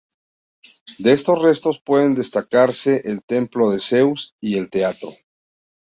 De estos restos pueden destacarse el templo de Zeus y el teatro.